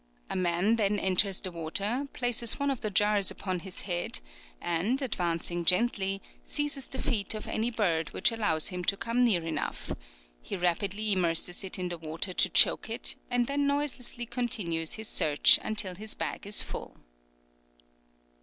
A man then enters the water, places one of the jars upon his head, and advancing gently, seizes the feet of any bird which allows him to come near enough: he rapidly immerses it in the water to choke it, and then noiselessly continues his search until his bag is full.